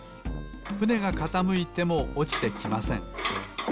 ふねがかたむいてもおちてきません。